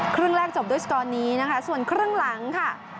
ครึ่งแรกจบด้วยสกอร์นี้นะคะส่วนครึ่งหลังค่ะ